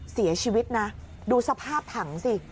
เสียชีวิตนะดูสภาพถังสิ